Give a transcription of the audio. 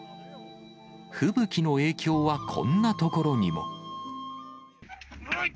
吹雪の影響はこんなところにも。